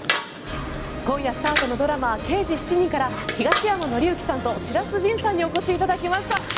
今夜スタートのドラマ「刑事７人」から東山紀之さんと白洲迅さんにお越しいただきました。